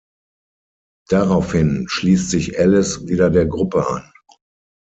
Daraufhin schließt sich Alice wieder der Gruppe an.